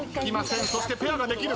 そしてペアができる。